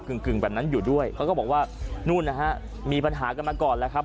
กึ่งแบบนั้นอยู่ด้วยเขาก็บอกว่านู่นนะฮะมีปัญหากันมาก่อนแล้วครับ